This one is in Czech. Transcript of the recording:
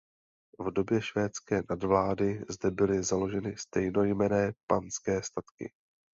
V době švédské nadvlády zde byly založeny stejnojmenné panské statky.